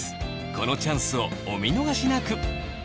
このチャンスをお見逃しなく